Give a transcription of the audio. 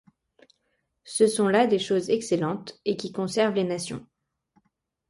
Ce sont là des choses excellentes, et qui conservent les nations.